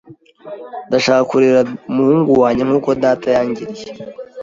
Ndashaka kurera umuhungu wanjye nkuko data yangiriye.